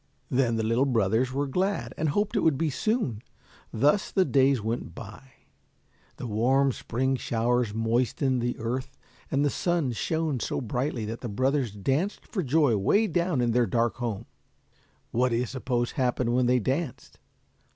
Then the little brothers were glad and hoped it would be soon. Thus the days went by. The warm spring showers moistened the earth, and the sun shone so brightly that the brothers danced for joy way down in their dark home. What do you suppose happened when they danced?